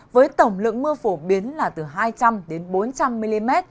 với tổng lượng mưa phổ biến là từ hai trăm linh đến bốn trăm linh mm